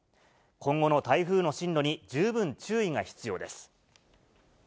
今後の台風の進路に十分注意が必要です。